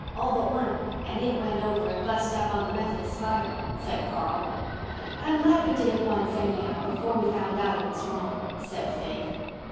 "All but one and it went over and bust up on the Methodist spire," said Carl. "I'm glad we did it once, anyhow, before we found out it was wrong," said Faith.